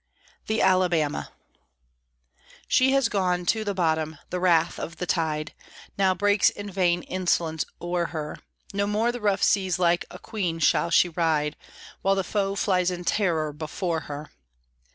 THE ALABAMA She has gone to the bottom! the wrath of the tide Now breaks in vain insolence o'er her; No more the rough seas like a queen shall she ride, While the foe flies in terror before her!